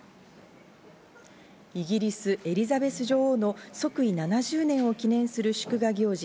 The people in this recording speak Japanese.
イギリス・エリザベス女王の即位７０年を記念する祝賀行事